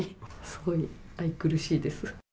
すごい愛くるしいです。